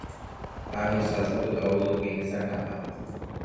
Ha ahechásapy'a ogyke hesakãha.